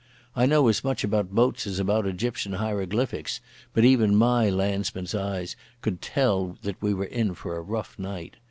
I know as much about boats as about Egyptian hieroglyphics, but even my landsman's eyes could tell that we were in for a rough night.